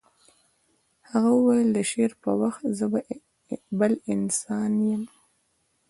هغه وویل د شعر پر وخت زه بل انسان یم